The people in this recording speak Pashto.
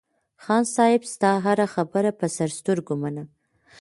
خان صاحب ستا هره خبره په سر سترگو منم.